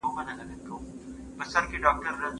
خلک د ارغنداب سیند له ښکلا سره تړاو لري.